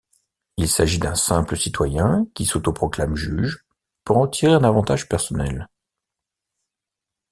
Il s’agit d’un simple citoyen qui s’auto-proclame juge pour en tirer un avantage personnel.